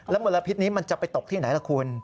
มลพิษนี้มันจะไปตกที่ไหนล่ะคุณ